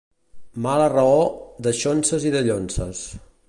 Mala raó, daixonses i dallonses.